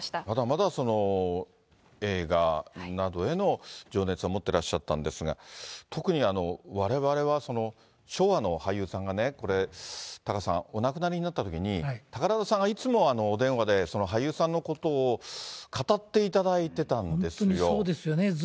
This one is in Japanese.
まだまだ映画などへの情熱は持ってらっしゃったんですが、特にわれわれは、昭和の俳優さんがね、これ、タカさん、お亡くなりになったときに、宝田さんがいつもお電話で俳優さんのことを語っていただいてたん本当にそうですよね。